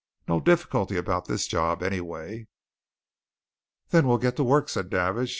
No difficulty about this job, anyway." "Then we'll get to work," said Davidge.